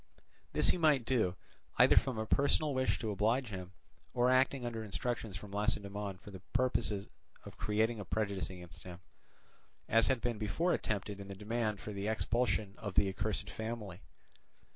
This he might do, either from a personal wish to oblige him, or acting under instructions from Lacedaemon for the purpose of creating a prejudice against him, as had been before attempted in the demand for the expulsion of the accursed family.